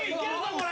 これ